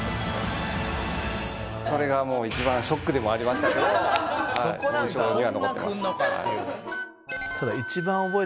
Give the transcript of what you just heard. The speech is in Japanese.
それがもう一番ショックでもありましたけど印象には残っています。